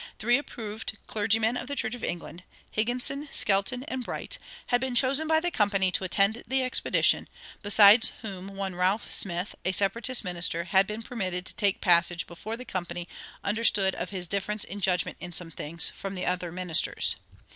Three approved clergymen of the Church of England Higginson, Skelton, and Bright had been chosen by the Company to attend the expedition, besides whom one Ralph Smith, a Separatist minister, had been permitted to take passage before the Company "understood of his difference in judgment in some things" from the other ministers.